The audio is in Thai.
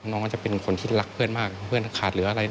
น้องก็จะเป็นคนที่รักเพื่อนมากเพื่อนขาดเหลืออะไร